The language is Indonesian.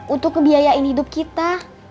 untuk kebiayaan hidup kita